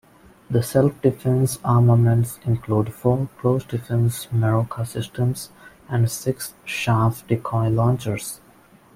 The self-defense armament includes four close defense Meroka systems and six chaff decoy launchers.